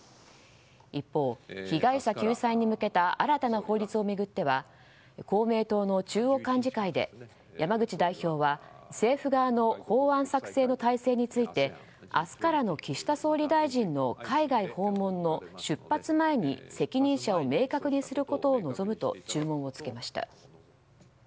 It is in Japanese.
一方、被害者救済に向けた新たな法律を巡っては公明党の中央幹事会で山口代表は政府側の法案作成の体制について明日からの岸田総理大臣の海外訪問の出発前に責任者を明確にすることを望むと注文をつけました。